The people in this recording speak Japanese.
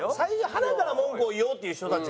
はなから文句を言おうっていう人たち。